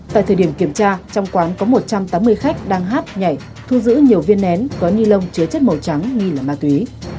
tại thời điểm kiểm tra trong quán có một trăm tám mươi khách đang hát nhảy thu giữ nhiều viên nén có ni lông chứa chất màu trắng nghi là ma túy